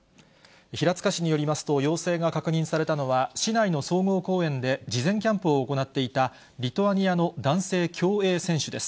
平塚市によりますと、陽性が確認されたのは、市内の総合公園で事前キャンプを行っていたリトアニアの男性競泳選手です。